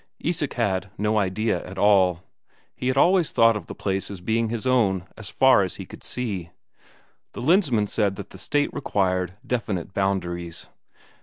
Isak had no idea at all; he had always thought of the place as being his own as far as he could see. The Lensmand said that the State required definite boundaries.